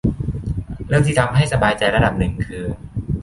เรื่องที่ทำให้สบายใจระดับหนึ่งคือ